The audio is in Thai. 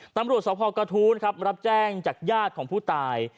ตำรวจสวพกระทูลรับแจ้งจากญาติของผู้ตาย